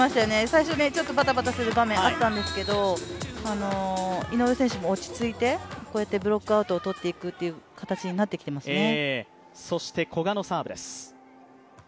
最初、バタバタする場面あったんですけど井上選手も落ち着いてこうやってブロックアウトを取っていく形になっていますね。